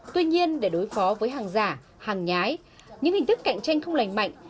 tuy nhiên để đối phó với hàng giả hàng nhái những hình thức cạnh tranh không lành mạnh